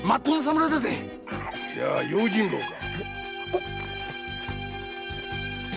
じゃあ用心棒か。